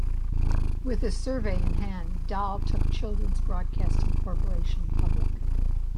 With the survey in hand, Dahl took Children's Broadcasting Corporation public.